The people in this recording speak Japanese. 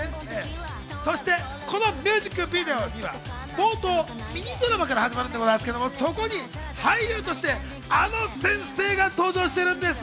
このミュージックビデオには冒頭、ミニドラマから始まるんですが、そこに俳優としてあの先生が登場しているんです。